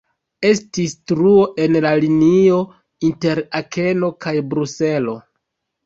Estis truo en la linio inter Akeno kaj Bruselo.